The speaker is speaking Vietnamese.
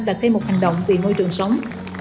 và thay một hành động vì môi trường sống